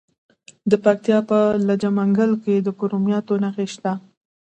د پکتیا په لجه منګل کې د کرومایټ نښې شته.